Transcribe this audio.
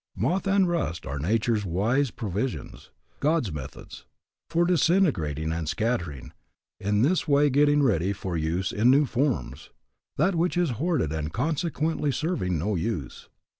Moth and rust are nature's wise provisions God's methods for disintegrating and scattering, in this way getting ready for use in new forms, that which is hoarded and consequently serving no use.